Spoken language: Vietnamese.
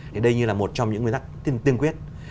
thì đây như là một trong những nguyên tắc tiên quyết